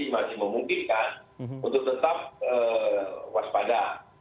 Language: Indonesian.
masih memungkinkan untuk tetap waspada